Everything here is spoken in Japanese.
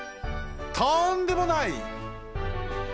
とんでもない！